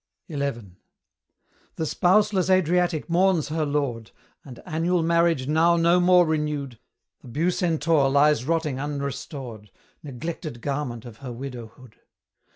XI. The spouseless Adriatic mourns her lord; And, annual marriage now no more renewed, The Bucentaur lies rotting unrestored, Neglected garment of her widowhood!